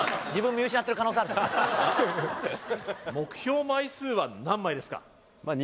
目標枚数は何枚ですか？